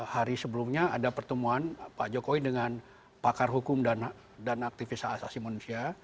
hari sebelumnya ada pertemuan pak jokowi dengan pakar hukum dan aktivis asasi manusia